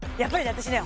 私ね